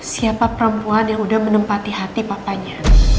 siapa perempuan yang udah menempati hati papanya